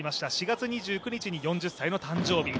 ４月２９日に４０歳の誕生日。